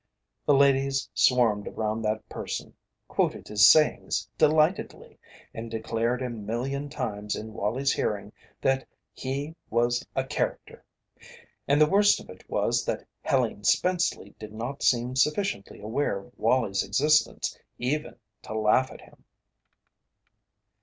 The ladies swarmed around that person, quoted his sayings delightedly, and declared a million times in Wallie's hearing that "he was a character!" And the worst of it was that Helene Spenceley did not seem sufficiently aware of Wallie's existence even to laugh at him.